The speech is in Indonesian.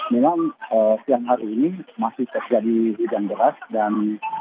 memang siang hari ini masih terjadi hujan deras dan